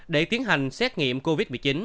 để tiến hành xét nghiệm covid một mươi chín